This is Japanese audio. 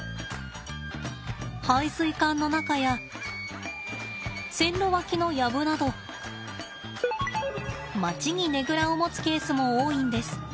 排水管の中や線路脇の薮など町にねぐらを持つケースも多いんです。